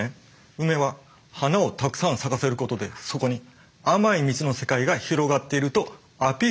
ウメは花をたくさん咲かせることでそこに甘い蜜の世界が広がってるとアピールしているんです。